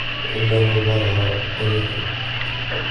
فَإِنَّهُ مَرْعًى أَنِيقٌ